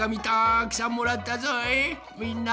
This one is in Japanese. たくさんもらったぞい。